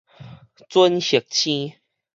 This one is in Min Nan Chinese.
準惑星